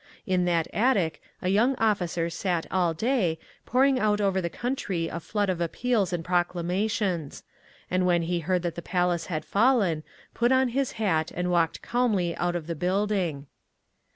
In that attic a young officer sat all day, pouring out over the country a flood of appeals and proclamations; and when he heard that the Palace had fallen, put on his hat and walked calmly out of the building….